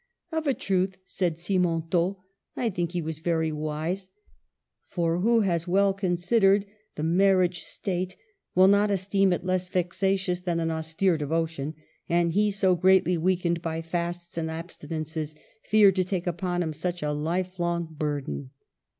" Of a truth," said Simontault, " I think he was very wise ; for who has well considered the marriage state will not esteem it less vexatious than an austere devotion, and he, so greatly weakened by fasts and abstinences, feared to take upon him such a life long burden."